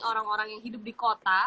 orang orang yang hidup di kota